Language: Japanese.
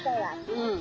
うん。